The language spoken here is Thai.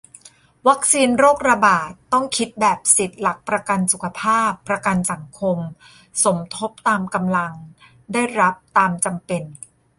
วัคซีนโรคระบาด ต้องคิดแบบสิทธิ์-หลักประกันสุขภาพ-ประกันสังคม สมทบตามกำลัง ได้รับตามจำเป็น